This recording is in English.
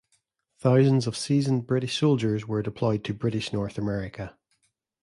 Thousands of seasoned British soldiers were deployed to British North America.